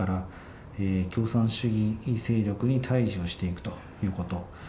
共産主義勢力に対峙をしていくということ。